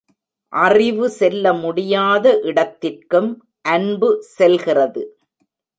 அறிவு செல்ல முடியாத இடத்திற்கும் அன்பு செல்கிறது.